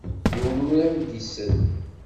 Yiwen ur am-d-isell.